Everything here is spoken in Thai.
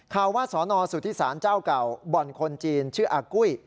ข่าวว่าสนสุธิศาลเจ้าเก่าบ่อนคนจีนชื่ออากุ้ย